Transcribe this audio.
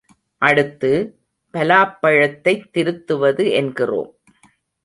அடுத்து, பலாப்பழத்தைத் திருத்துவது என்கிறோம்.